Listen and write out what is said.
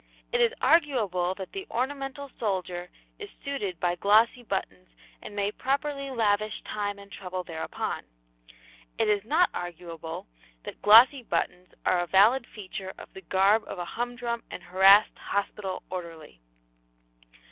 It is arguable that the ornamental soldier is suited by glossy buttons and may properly lavish time and trouble thereupon. It is not arguable that glossy buttons are a valid feature of the garb of a humdrum and harassed hospital orderly.